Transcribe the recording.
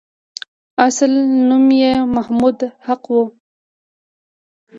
اصل نوم یې محمد حق وو.